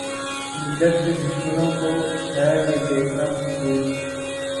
ملت کے دشمنوں کو ھے یہ دیکھنا مقصود